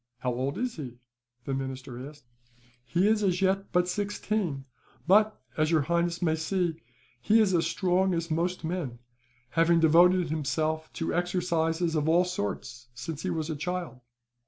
"How old is he?" the minister asked. "He is as yet but sixteen but, as your highness may see, he is as strong as most men, having devoted himself to exercises of all sorts, since he was a child."